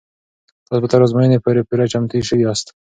تاسې به تر ازموینې پورې پوره چمتو شوي یاست.